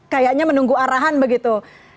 kayaknya menunggu arahan begitu